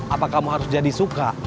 apa kamu harus jadi suka